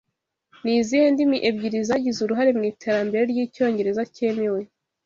Ni izihe ndimi ebyiri zagize uruhare mu iterambere ry'icyongereza cyemewe?